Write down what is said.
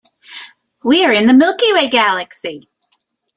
We are in the Milky Way Galaxy.